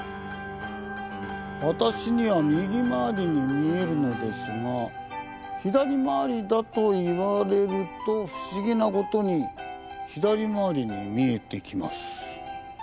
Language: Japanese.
私には右回りに見えるのですが左回りだと言われると不思議なことに左回りに見えてきます。